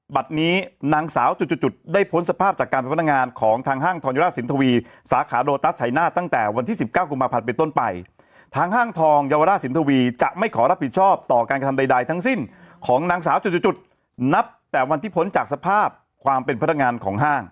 นี้นางสาวจุดจุดได้พ้นสภาพจากการเป็นพนักงานของทางห้างทอนยุราชสินทวีสาขาโลตัสชัยนาศตั้งแต่วันที่๑๙กุมภาพันธ์เป็นต้นไปทางห้างทองเยาวราชสินทวีจะไม่ขอรับผิดชอบต่อการกระทำใดทั้งสิ้นของนางสาวจุดนับแต่วันที่พ้นจากสภาพความเป็นพนักงานของห้าง